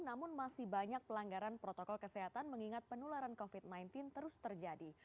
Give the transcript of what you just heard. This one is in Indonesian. namun masih banyak pelanggaran protokol kesehatan mengingat penularan covid sembilan belas terus terjadi